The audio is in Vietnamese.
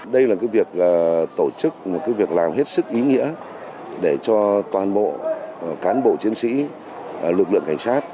đây là việc tổ chức một việc làm hết sức ý nghĩa để cho toàn bộ cán bộ chiến sĩ lực lượng cảnh sát